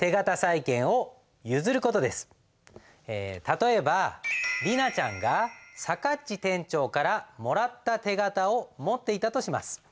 例えば莉奈ちゃんがさかっち店長からもらった手形を持っていたとします。